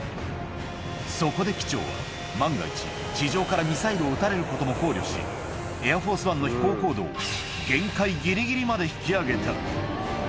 そこで機長は、万が一、地上からミサイルを撃たれることも考慮し、エアフォースワンの飛行高度を限界ぎりぎりまで引き上げた。